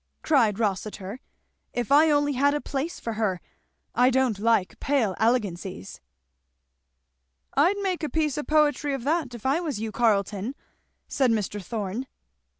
cried Rossitur, "if I only had a place for her. I don't like pale elegancies." "I'd make a piece of poetry of that if I was you, Carleton," said Mr. Thorn.